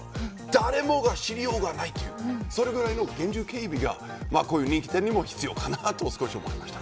誰もが知りようがないというそれぐらいの厳重警備が人気店にも必要かなと思いました。